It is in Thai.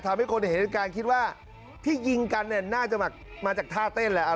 ทำให้คนที่เห็นกรรมคิดว่าที่ยิงกันน่าจะมามาจากท่าเต้นแหละ